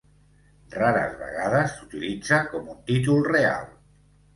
Rares vegades s'utilitza com un títol real.